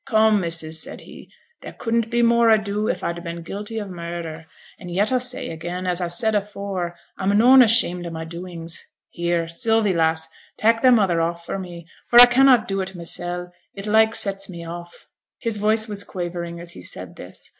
come, missus!' said he, 'there couldn't be more ado if a'd been guilty of murder, an' yet a say again, as a said afore, a'm noane ashamed o' my doings. Here, Sylvie, lass, tak' thy mother off me, for a cannot do it mysel', it like sets me off.' His voice was quavering as he said this.